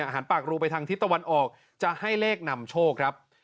หันปากรูไปทางทิศตะวันออกจะให้เลขนำโชคครับ